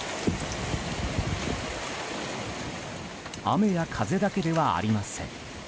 雨や風だけではありません。